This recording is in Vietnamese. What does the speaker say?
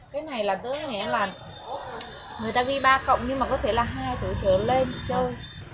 cái này là tớ nghĩ là người ta ghi ba cộng nhưng mà có thể là hai tổ chứa lên chơi